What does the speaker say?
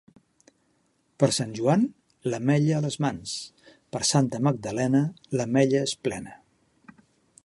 Per Sant Joan, l'ametlla a les mans; per Santa Magdalena l'ametlla és plena.